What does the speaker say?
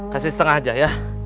kasih setengah aja ya